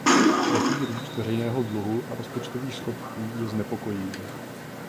Rychlý růst veřejného dluhu a rozpočtových schodků je znepokojivý.